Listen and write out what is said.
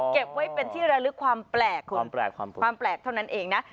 เก็บไว้เป็นที่ระลึกความแปลกคุณความแปลกเท่านั้นเองนะ